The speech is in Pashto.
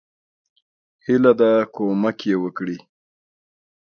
هیله ده کومک یی وکړي.